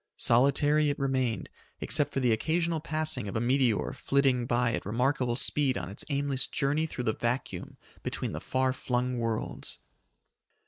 Solitary it remained, except for the occasional passing of a meteor flitting by at a remarkable speed on its aimless journey through the vacuum between the far flung worlds.